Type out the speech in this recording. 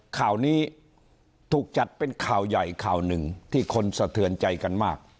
ข่าวนี้ถูกจัดเป็นข่าวใหญ่ข่าวหนึ่งที่คนสะเทือนใจกันมาก